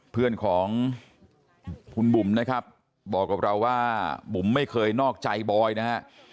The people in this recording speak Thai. เพื่อนของคุณบุ๋มนะครับบอกกับเราว่าบุ๋มไม่เคยนอกใจบอยนะฮะ